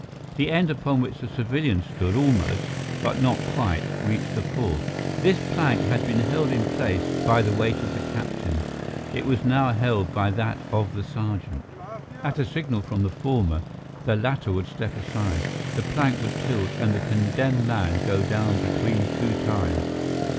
The end upon which the civilian stood almost, but not quite, reached a fourth. This plank had been held in place by the weight of the captain; it was now held by that of the sergeant. At a signal from the former the latter would step aside, the plank would tilt and the condemned man go down between two ties.